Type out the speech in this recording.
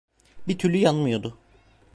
Bir türlü yanmıyordu.